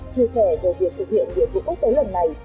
chia sẻ về việc thực hiện nhiệm vụ quốc tế lần này